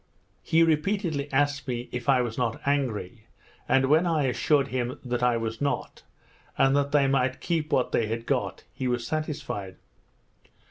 He repeatedly asked me if I was not angry; and when I assured him that I was not, and that they might keep what they had got, he was satisfied.